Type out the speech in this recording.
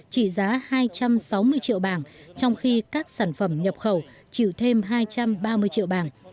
trị giá hai trăm sáu mươi triệu bảng trong khi các sản phẩm nhập khẩu chịu thêm hai trăm ba mươi triệu bảng